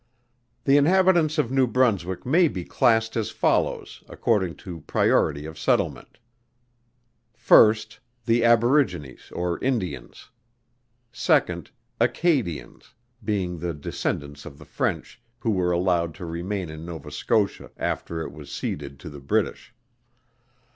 The inhabitants of New Brunswick may be classed as follows according to priority of settlement. 1st. The Aborigines or Indians. 2d. Acadians, being the descendants of the French who were allowed to remain in Nova Scotia after it was ceded to the British.